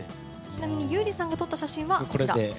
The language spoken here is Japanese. ちなみに優里さんが撮った写真はこちら。